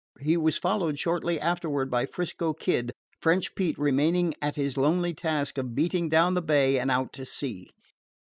He was followed shortly afterward by 'Frisco Kid, French Pete remaining at his lonely task of beating down the bay and out to sea.